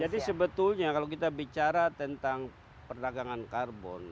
jadi sebetulnya kalau kita bicara tentang perdagangan karbon